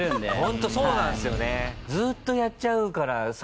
ホントそうなんですよね。